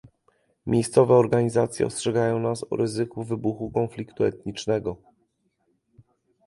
Miejscowe organizacje ostrzegają nas o ryzyku wybuchu konfliktu etnicznego